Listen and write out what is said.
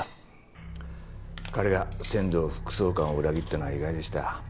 彼が千堂副総監を裏切ったのは意外でした。